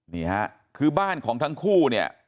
นี่ฮะคือบ้านของทั้งคู่เนี่ย